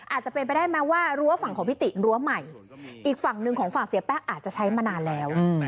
อาจจะเป็นไปได้ไหมว่ารั้วฝั่งของพิติรั้วใหม่อีกฝั่งหนึ่งของฝั่งเสียแป้งอาจจะใช้มานานแล้ว